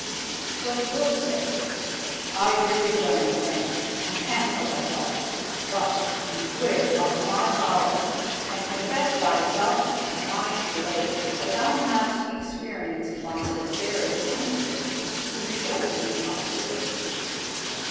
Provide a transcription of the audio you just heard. '" So the wolf said, "I forgive thine offence, and cancel thy fault; but beware of my power, and confess thyself my slave; for thou hast experienced my severity unto him who showeth me hostility."